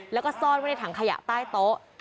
แล้วก็ซ่อนไว้ในถังขยะใต้โต๊ะ